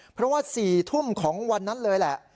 เพราะว่า๔ทุ่มของวันนั้นเลยแหละ